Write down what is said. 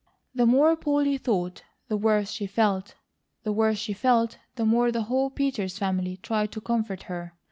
The more Polly thought, the worse she felt. The worse she felt, the more the whole Peters family tried to comfort her.